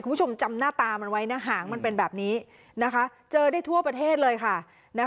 คุณผู้ชมจำหน้าตามันไว้นะหางมันเป็นแบบนี้นะคะเจอได้ทั่วประเทศเลยค่ะ